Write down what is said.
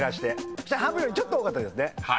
そしたら半分よりちょっと多かったですね。